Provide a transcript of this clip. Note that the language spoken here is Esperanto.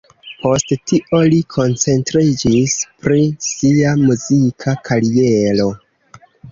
Post tio li koncentriĝis pri sia muzika kariero.